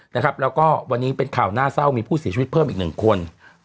แล้วก็วันนี้เป็นข่าวน่าเศร้ามีผู้เสียชีวิตเพิ่มอีกหนึ่งคน